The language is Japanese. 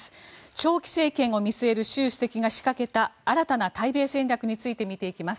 長期政権を見据える習主席が仕掛けた新たな対米戦略について見ていきます。